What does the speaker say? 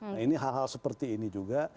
nah ini hal hal seperti ini juga